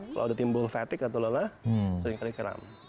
kalau udah timbul fatigue atau lelah sering kali keram